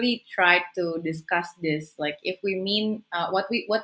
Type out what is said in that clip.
apa yang kita maksudkan